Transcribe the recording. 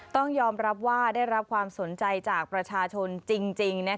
ต้องยอมรับว่าได้รับความสนใจจากประชาชนจริง